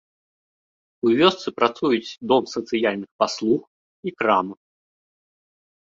У вёсцы працуюць дом сацыяльных паслуг і крама.